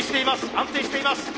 安定しています。